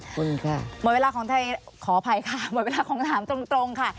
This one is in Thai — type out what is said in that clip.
หมดเวลาของขออภัยค่ะหมดเวลาของถามตรงค่ะ